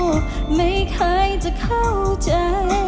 ไม่เคยจะเรียนรู้ไม่เคยจะเข้าใจ